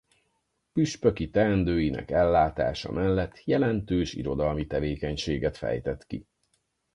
Püspöki teendőinek ellátása mellett jelentős irodalmi tevékenységet fejtett ki.